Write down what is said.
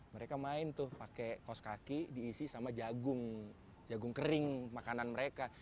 mereka main tuh pakai kos kaki diisi sama jagung jagung kering makanan mereka